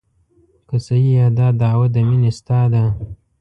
که صحیحه دا دعوه د مینې ستا ده.